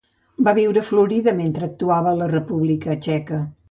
Va viure a Florida mentre actuava a la República Txeca.